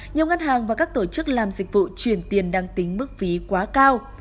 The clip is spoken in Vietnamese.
nhiều ngân hàng và các tổ chức làm dịch vụ chuyển tiền đang tính mức phí quá cao